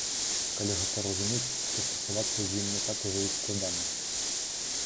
Калі гэта разумець, то стасавацца з ім не так ужо і складана.